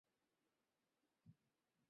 এই পাঁঠা আমি বলি দেবো!